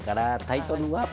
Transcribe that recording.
タイトルは？